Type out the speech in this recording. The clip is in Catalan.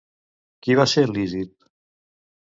Qui va ser Lísip?